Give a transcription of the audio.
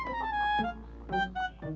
berzakit banget ini